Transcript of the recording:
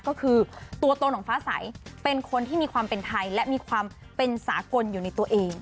ก็คือตัวตนของฟ้าใสเป็นคนที่มีความเป็นไทยและมีความเป็นสากลอยู่ในตัวเอง